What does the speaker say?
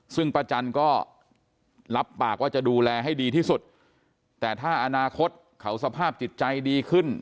ซึ่งป้าจันก็รับปากว่าจะดูแลให้ดีที่สุดแต่ถ้าอนาคตเขาสภาพจิตใจดีขึ้น